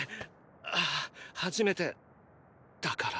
あ初めてだから。